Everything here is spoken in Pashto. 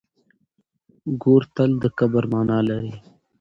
ګور تل د کبر مانا لري.